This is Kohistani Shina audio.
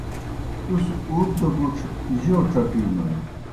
تُس اُوت دہ گُڇھ جو ڇکِینوْئے؟۔